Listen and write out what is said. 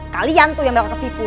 kalian tuh yang dapat ketipu